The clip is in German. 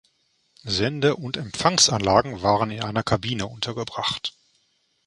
Sende- und Empfangsanlagen waren in einer Kabine untergebracht.